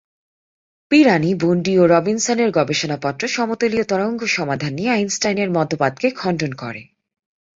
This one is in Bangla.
পিরানি, বন্ডি ও রবিনসনের গবেষণাপত্র সমতলীয় তরঙ্গ সমাধান নিয়ে আইনস্টাইনের মতবাদকে খণ্ডন করে।